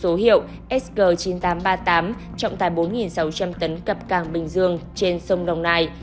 số hiệu sg chín nghìn tám trăm ba mươi tám trọng tài bốn sáu trăm linh tấn cập cảng bình dương trên sông đồng nai